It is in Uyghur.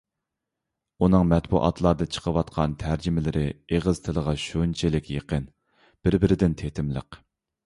ئۇنىڭ مەتبۇئاتلاردا چىقىۋاتقان تەرجىمىلىرى ئېغىز تىلىغا شۇنچىلىك يېقىن، بىر-بىرىدىن تېتىملىق.